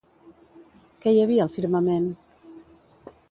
Què hi havia al firmament?